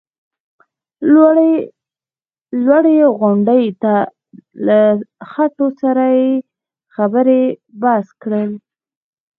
لوړې غونډۍ ته له ختو سره یې خبرې بس کړل.